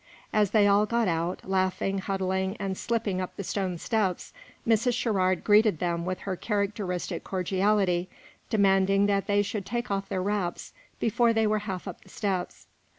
As they all got out, laughing, huddling, and slipping up the stone steps, Mrs. Sherrard greeted them with her characteristic cordiality, demanding that they should take off their wraps before they were half up the steps.